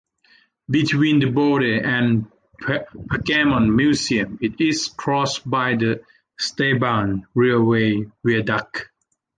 Between the Bode and Pergamon Museums it is crossed by the Stadtbahn railway viaduct.